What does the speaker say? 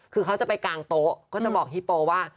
คือเขาจะไปกางโต๊ะก็จะบอกฮิโปว่า